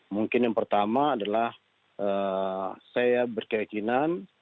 mungkin yang pertama adalah saya berkeyakinan